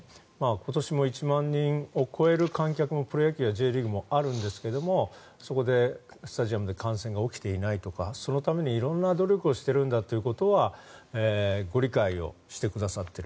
今年も１万人を超える観客のプロ野球やＪリーグもあるんですがそこのスタジアムで感染が起きていないとかそのために色んな努力をしているんだということはご理解をしてくださっている。